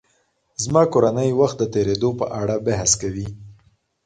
زما کورنۍ وخت د تېرېدو په اړه بحث کوي.